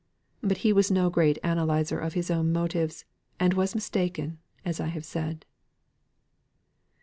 But he was no great analyser of his own motives and was mistaken, as I have said.